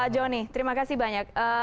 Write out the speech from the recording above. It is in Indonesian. jonny terima kasih banyak